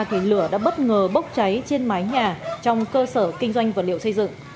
thì lửa đã bất ngờ bốc cháy trên mái nhà trong cơ sở kinh doanh vật liệu xây dựng